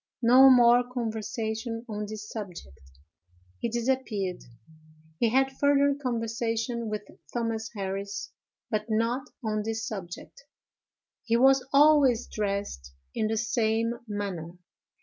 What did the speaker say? No more conversation on this subject. He disappeared. He had further conversation with Thomas Harris, but not on this subject. He was always dressed in the same manner.